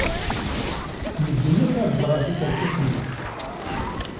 Medden akk ad ẓren tikerkas-nwen.